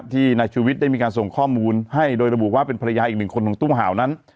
ที่นายชูวิทย์ได้มีการส่งข้อมูลให้โดยระบุว่าเป็นภรรยาอีกหนึ่งคนของตู้เห่านั้น